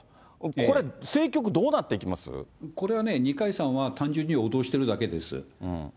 これ政局、これはね、二階さんは単純に脅してるだけです。